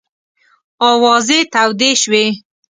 آوازې تودې شوې.